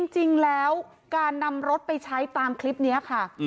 จริงแล้วการนำรถไปใช้ตามคลิปนี้ค่ะ